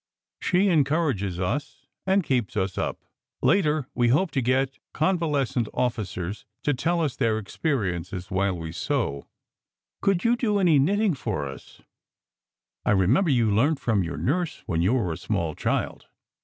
She encourages us and keeps us up. Later we hope to get convalescent officers to tell us their experiences while we 254, SECRET HISTORY sew. Could you do any knitting for us? I remember you learnt from your nurse when you were a small child.